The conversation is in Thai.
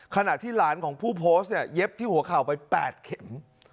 ขณะที่หลานของผู้โพสต์เนี่ยเย็บที่หัวเข่าไป๘เข็ม